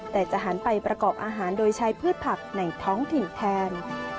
แต่จะหันไปประกอบอาหารโดยใช้พืชผักในท้องถิ่นแทน